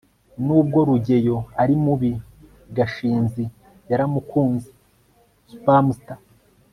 nubwo rugeyo ari mubi, gashinzi yaramukunze (spamster